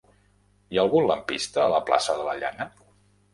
Hi ha algun lampista a la plaça de la Llana?